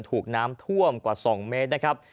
ถูกน้ำท่วมกว่า๒เมตรนะครับ